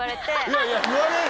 いやいや言われる。